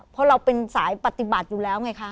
เพราะเราเป็นสายปฏิบัติอยู่แล้วไงคะ